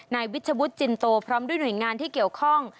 นายวิชวุฒิจินโตพร้อมด้วยหน่วยงานที่เกี่ยวข้อง